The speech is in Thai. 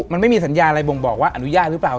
มันไม่มีสัญญาอะไรบ่งบอกว่าอนุญาตหรือเปล่า